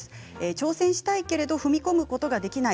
挑戦したいけれど踏み込むことができない